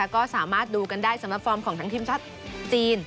ก็สามารถดูกันได้สำหรับฟอร์มของทั้งทีมชาติจีน